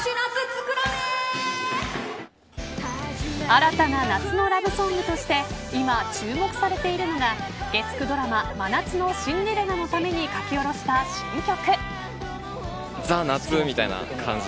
新たな夏のラブソングとして今、注目されているのが月９ドラマ真夏のシンデレラのために書き下ろした新曲。